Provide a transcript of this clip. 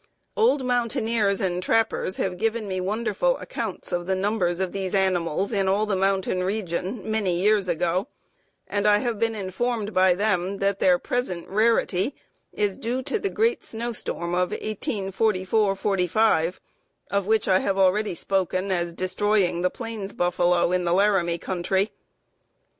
"] "Old mountaineers and trappers have given me wonderful accounts of the number of these animals in all the mountain region 'many years ago;' and I have been informed by them, that their present rarity is due to the great snow storm of 1844 '45, of which I have already spoken as destroying the plains buffalo in the Laramie country.